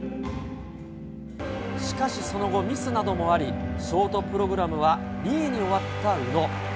しかしその後、ミスなどもあり、ショートプログラムは２位に終わった宇野。